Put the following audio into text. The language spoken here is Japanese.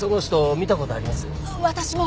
私も！